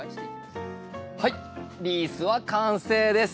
はいリースは完成です。